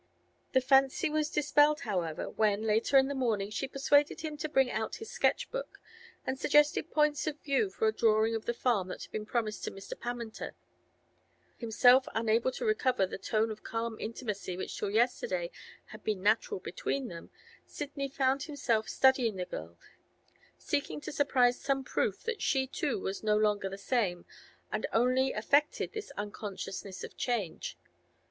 The fancy was dispelled, however, when, later in the morning, she persuaded him to bring out his sketch book, and suggested points of view for a drawing of the farm that had been promised to Mr. Pammenter. Himself unable to recover the tone of calm intimacy which till yesterday had been natural between them, Sidney found himself studying the girl, seeking to surprise some proof that she too was no longer the same, and only affected this unconsciousness of change.